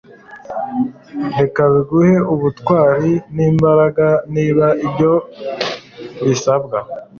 reka biguhe ubutwari n'imbaraga, niba ibyo bisabwa